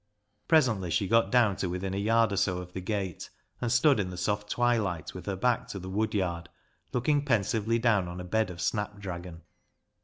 Presently she got down to within a yard or so of the gate, and stood in the soft twilight with her back to the woodyard, looking pensively down on a bed of snapdragon.